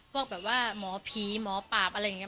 พวกแบบว่าหมอผีหมอปราบอะไรอย่างนี้